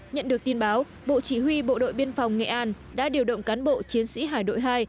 nhận được tin báo bộ chỉ huy bộ đội biên phòng nghệ an đã điều động cán bộ chiến sĩ hải đội hai